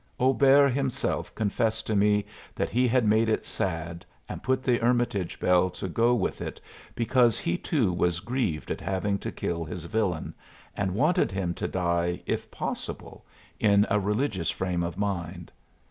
Auber himself confessed to me that he had made it sad and put the hermitage bell to go with it because he too was grieved at having to kill his villain, and wanted him to die, if possible, in a religious frame of mind.